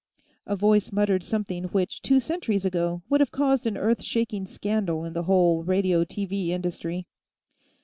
A voice muttered something which, two centuries ago, would have caused an earth shaking scandal in the whole radio TV industry.